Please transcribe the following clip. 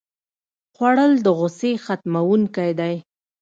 خوړل د غوسې ختموونکی دی